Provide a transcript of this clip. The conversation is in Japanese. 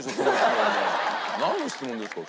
なんの質問ですか？